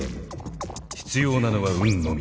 必要なのは運のみ。